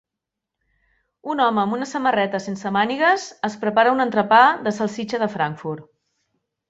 Un home amb una samarreta sense mànigues es prepara un entrepà de salsitxa de Frankfurt.